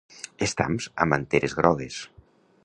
Estams amb anteres grogues.